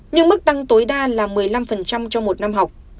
nhưng mức tăng tối đa là một mươi năm cho một năm học